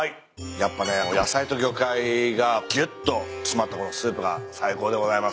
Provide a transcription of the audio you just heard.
やっぱね野菜と魚介がぎゅっと詰まったこのスープが最高でございます。